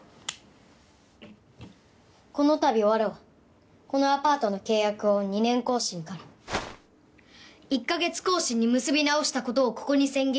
この度わらわこのアパートの契約を２年更新から１カ月更新に結び直した事をここに宣言致す。